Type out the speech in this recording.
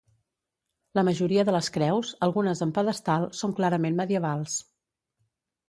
La majoria de les creus, algunes amb pedestal, són clarament medievals.